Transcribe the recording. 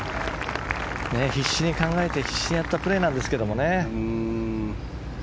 必死に考えて必死にやったプレーなんですけどね。